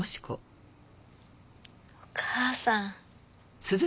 お母さん。